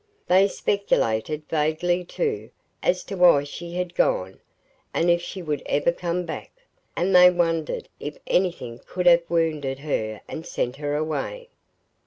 They speculated vaguely, too, as to why she had gone, and if she would ever come back; and they wondered if anything could have wounded her and sent her away.